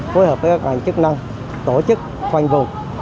phối hợp với các ngành chức năng tổ chức khoanh vùng